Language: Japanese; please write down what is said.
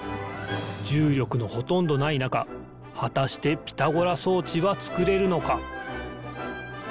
じゅうりょくのほとんどないなかはたしてピタゴラそうちはつくれるのか？